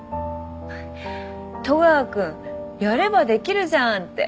戸川君やればできるじゃんって。